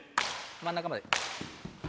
真ん中まで。